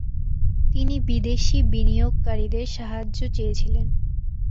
তিনি বিদেশী বিনিয়োগকারীদের সাহায্য চেয়েছিলেন।